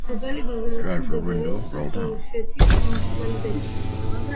სოფელი ბაზალეთი მდებარეობს დუშეთის მუნიციპალიტეტში.